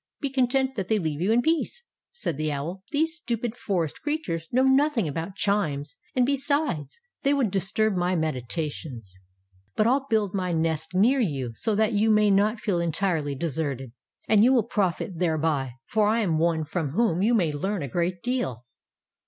'' Be content that they leave you in peace/" said the Owl. ''These stupid forest crea tures know nothing about chimes, and be sides, they would disturb my meditations. But I "11 build my nest near you, so that you may not feel entirely deserted. And you will profit thereby, for I am one from whom you may learn a great deal.""